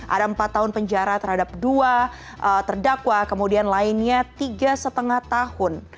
ada empat tahun penjara terhadap dua terdakwa kemudian lainnya tiga lima tahun